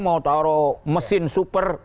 mau taro mesin super